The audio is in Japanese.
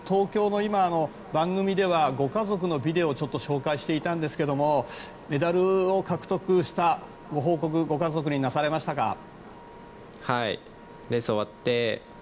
今、番組ではご家族のビデオを紹介していたんですけどもメダルを獲得したご報告ご家族になされましたか？